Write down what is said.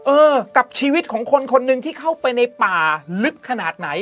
เออกับชีวิตของคนคนหนึ่งที่เข้าไปในป่าลึกขนาดไหน